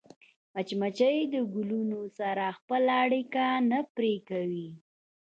مچمچۍ د ګلونو سره خپله اړیکه نه پرې کوي